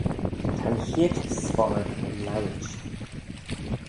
Ta'n chied sponnag lowit